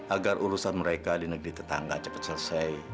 agar urusan mereka di negeri tetangga cepat selesai